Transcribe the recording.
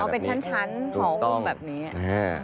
เอาเป็นชั้นหอมแบบนี้